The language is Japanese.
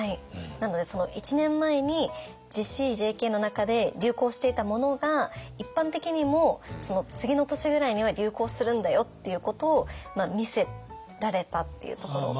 なのでその１年前にＪＣ・ＪＫの中で流行していたものが一般的にもその次の年ぐらいには流行するんだよっていうことを見せられたっていうところが。